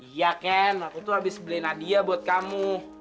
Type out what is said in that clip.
iya ken aku tuh habis beli nadia buat kamu